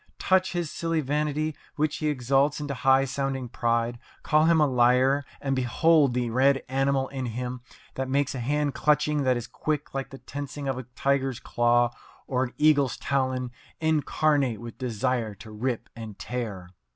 Touch his silly vanity, which he exalts into high sounding pride call him a liar, and behold the red animal in him that makes a hand clutching that is quick like the tensing of a tiger's claw, or an eagle's talon, incarnate with desire to rip and tear.